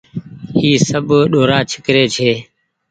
اي سب ڏورآ ڇيڪري ڇي۔